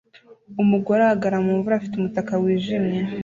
Umugore ahagarara mu mvura afite umutaka wijimye